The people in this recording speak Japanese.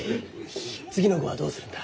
次の号はどうするんだ？